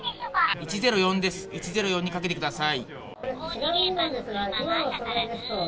１０４です、１０４にかけてください。